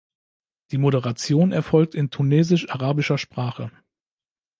Die Moderation erfolgt in tunesisch-arabischer Sprache.